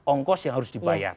ongkos yang harus dibayar